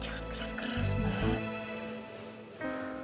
jangan keras keras mbak